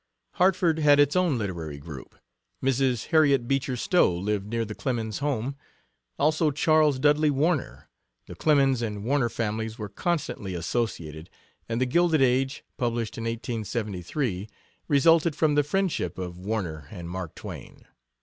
Hartford had its own literary group. Mrs. Harriet Beecher Stowe lived near the Clemens home; also Charles Dudley Warner. The Clemens and Warner families were constantly associated, and The Gilded Age, published in 1873, resulted from the friendship of Warner and Mark Twain.